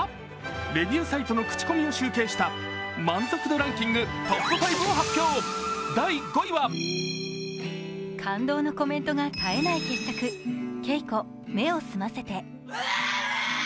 レビューサイトの口コミを集計した満足度ランキングトップ５を発表感動のコメントが絶えない傑作、「ケイコ目を澄ませて」。